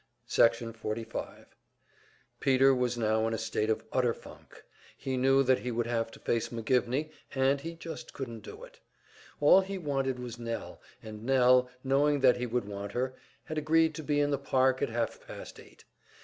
Section 45 Peter was now in a state of utter funk. He knew that he would have to face McGivney, and he just couldn't do it. All he wanted was Nell; and Nell, knowing that he would want her, had agreed to be in the park at half past eight.